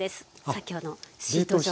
先ほどのシート状。